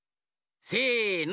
せの。